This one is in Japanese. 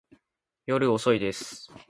夜遅いです。